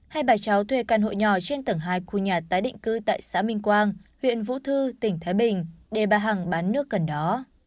hai bà cháu thuê căn hộ nhỏ trên tầng hai khu nhà tái định cư tại xã minh quang huyện vũ thư tỉnh thái bình để bà hằng bán nước gần đó